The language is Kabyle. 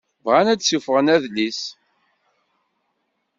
Bɣan ad d-suffɣen adlis.